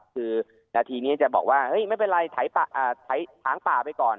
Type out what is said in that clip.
คือนาทีนี้จะบอกว่าเฮ้ยไม่เป็นไรไถหางป่าไปก่อน